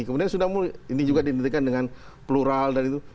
kemudian ini juga diidentifikkan dengan plural dan itu